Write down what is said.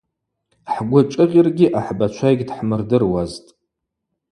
Хӏгвы шӏыгъьыргьи ахӏбачва йгьдхӏмырдыруазтӏ.